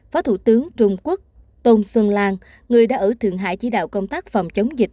phó thủ tướng trung quốc tôn xuân lan người đã ở thượng hải chỉ đạo công tác phòng chống dịch